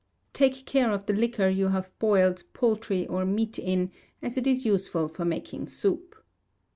Take care of the liquor you have boiled poultry or meat in, as it is useful for making soup.